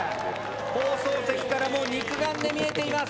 放送席からも肉眼で見えています。